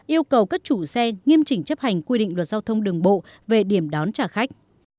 yêu cầu các chủ xe nghiêm chỉnh chấp hành quy định luật giao thông đường bộ về điểm đón trả khách